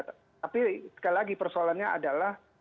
tapi sekali lagi persoalannya adalah